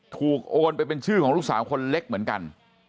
โอนไปเป็นชื่อของลูกสาวคนเล็กเหมือนกัน